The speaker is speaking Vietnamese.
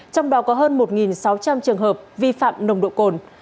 trong đó có hơn một sáu trăm linh trường hợp vi phạm nồng độ cồn